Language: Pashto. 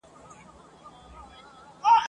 تور ببر- ببر برېتونه !.